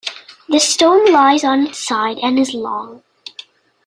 The stone lies on its side and is long.